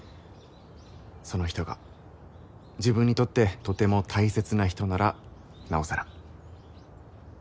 その人が自分にとってとても大切な人ならなおさら。